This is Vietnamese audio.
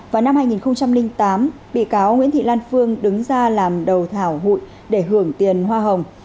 vào năm hai nghìn tám bị cáo nguyễn thị lan phương đứng ra làm đầu thảo hụi để hưởng tiền hoa hồng